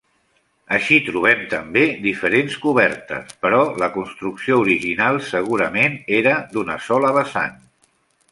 Així trobem també diferents cobertes, però la construcció original segurament era d'una sola vessant.